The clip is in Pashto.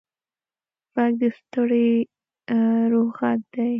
غږ د ستړي روح غږ دی